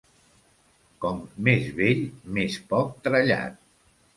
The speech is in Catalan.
Com més vell, més poc trellat.